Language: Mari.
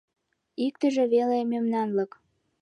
Иктыже веле мемнанлык.